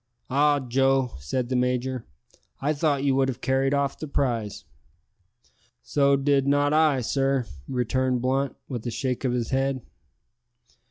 "Ah, Joe!" said the major, "I thought you would have carried off the prize." "So did not I, sir," returned Blunt, with a shake of his head.